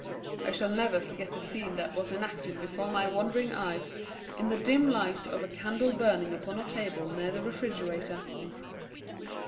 I shall never forget the scene that was enacted before my wondering eyes in the dim light of a candle burning upon a table near the refrigerator.